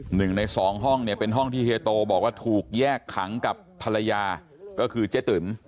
หนึ่งในสองห้องเนี่ยเป็นห้องที่เฮียโตบอกว่าถูกแยกขังกับภรรยาก็คือเจ๊ติ๋ม